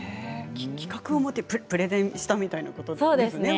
企画を持ってプレゼンしたみたいなことですね。